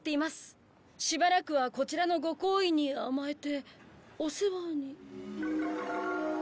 しばらくはこちらのご厚意に甘えてお世話に。